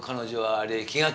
あれ。